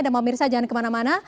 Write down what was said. dan mau mirsa jangan kemana mana